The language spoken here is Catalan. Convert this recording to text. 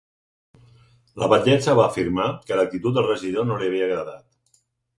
La batllessa va afirmar que l’actitud del regidor no li havia agradat.